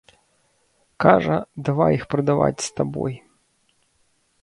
Кажа, давай іх прадаваць з табой.